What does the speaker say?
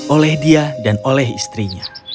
oleh dia dan oleh istrinya